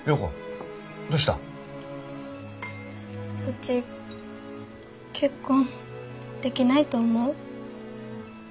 うち結婚できないと思う？